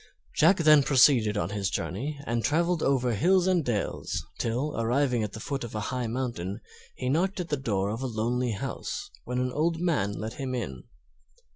Jack then proceeded on his journey, and traveled over hills and dales till, arriving at the foot of a high mountain, he knocked at the door of a lonely house, when an old man let him in.